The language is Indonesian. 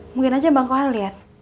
mungkin aja bang kohar liat